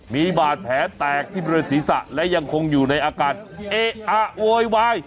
มีบาดแผลแตกที่บริเวณศีรษะและยังคงอยู่ในอาการเอ๊ะอะโวยวาย